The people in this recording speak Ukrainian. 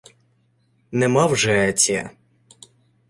— Нема вже Еція.